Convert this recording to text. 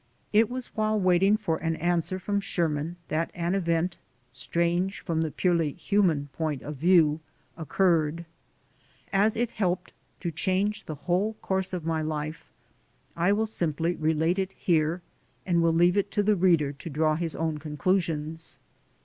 It was while waiting for an answer from Sherman that an event, strange from the purely human point of view, occurred. As it helped to change the whole course of my life, I will simply relate it here and will leave it to the reader to draw his own conclusions.